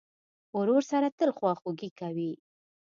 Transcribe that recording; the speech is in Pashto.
ورور سره تل خواخوږي کوې.